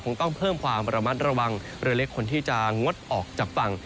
ต้องเพิ่มความระมัดระวังเรือเล็กคนที่จะงดออกจากฝั่ง